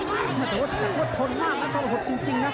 แต่ว่าทนมากนะทรหดจริงนะ